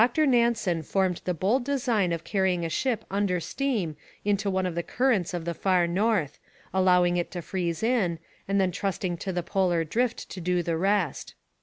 Dr Nansen formed the bold design of carrying a ship under steam into one of the currents of the Far North, allowing it to freeze in, and then trusting to the polar drift to do the rest.